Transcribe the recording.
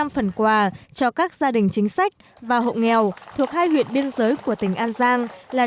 năm phần quà cho các gia đình chính sách và hộ nghèo thuộc hai huyện biên giới của tỉnh an giang là